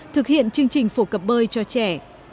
thực hiện chương trình phổ cập bơi cho trẻ